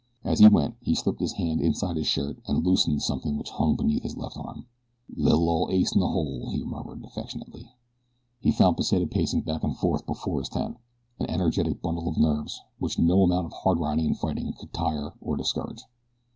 As he went he slipped his hand inside his shirt and loosened something which hung beneath his left arm. "Li'l ol' ace in the hole," he murmured affectionately. He found Pesita pacing back and forth before his tent an energetic bundle of nerves which no amount of hard riding and fighting could tire or discourage.